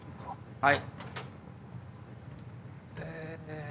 はい。